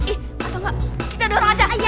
ih atau gak kita dorong aja